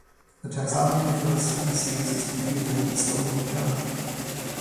The taxonomy for this species is confusing and still being determined.